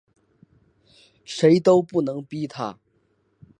谁都不能逼他